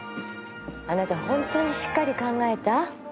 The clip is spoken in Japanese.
あなたホントにしっかり考えた？